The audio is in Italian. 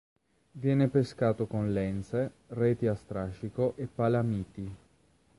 Viene pescato con lenze, reti a strascico e palamiti.